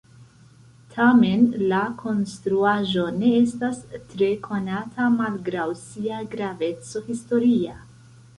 Tamen la konstruaĵo ne estas tre konata malgraŭ sia graveco historia.